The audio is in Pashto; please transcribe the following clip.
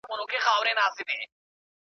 حرام كړى يې وو خوب د ماشومانو .